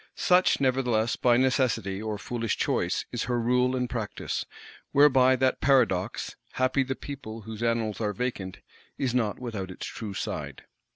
Such, nevertheless, by necessity or foolish choice, is her rule and practice; whereby that paradox, "Happy the people whose annals are vacant," is not without its true side.